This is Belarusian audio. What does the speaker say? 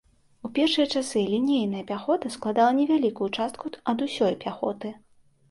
У першыя часы лінейная пяхота складала невялікую частку ад усёй пяхоты.